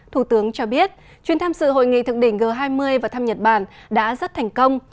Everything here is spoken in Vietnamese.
thủ tướng cho biết chuyến thăm sự hội nghị thượng đỉnh g hai mươi và thăm nhật bản đã rất thành công